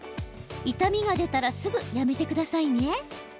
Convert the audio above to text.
痛みが出たらすぐ、やめてくださいね。